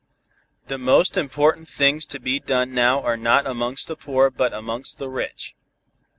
The most important things to be done now are not amongst the poor but amongst the rich.